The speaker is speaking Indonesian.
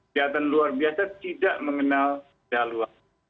kejahatan luar biasa tidak mengenal dalam luar sah